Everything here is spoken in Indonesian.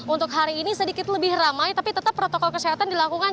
untuk hari ini sedikit lebih ramai tapi tetap protokol kesehatan dilakukan